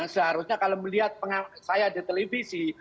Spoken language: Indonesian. seharusnya kalau melihat saya di televisi